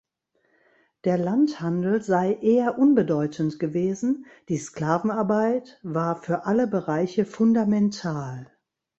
Der Landhandel sei eher unbedeutend gewesen, die Sklavenarbeit war für alle Bereiche fundamental.